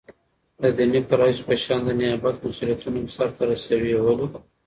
دديني فرائضو په شان دنيابت مسؤليتونه هم سرته رسوي ولي